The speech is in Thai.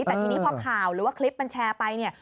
แต่ทีนี้พอข่าวหรือว่าคลิปมันแชร์ไปเนี่ย